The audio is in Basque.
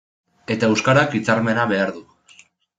Eta euskarak hitzarmena behar du.